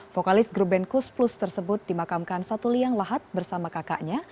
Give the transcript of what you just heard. vokalis grup band kus plus tersebut dimakamkan satu liang lahat bersama kakaknya